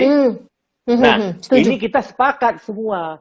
nah ini kita sepakat semua